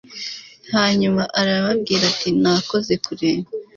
hanyuma arabwira ati' nakoze kureba